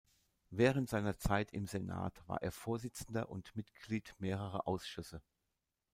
Während seiner Zeit im Senat war er Vorsitzender und Mitglied mehrerer Ausschüsse.